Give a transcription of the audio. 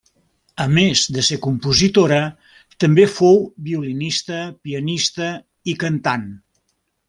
A més de ser compositora, també fou violinista, pianista i cantant.